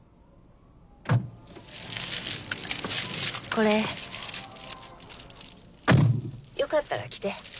これよかったら着て。